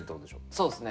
そうですね。